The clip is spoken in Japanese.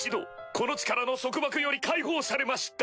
この地からの束縛より解放されました！